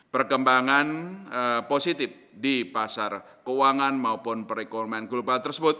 perkembangan positif di pasar keuangan maupun perekonomian global tersebut